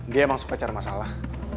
dia emang suka cari masalah